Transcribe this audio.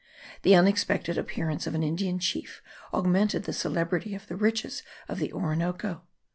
The unexpected appearance of an Indian chief augmented the celebrity of the riches of the Orinoco.